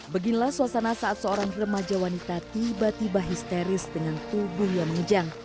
beginilah suasana saat seorang remaja wanita tiba tiba histeris dengan tubuh yang mengejang